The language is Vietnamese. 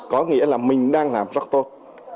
có nghĩa là mình đang làm rất tốt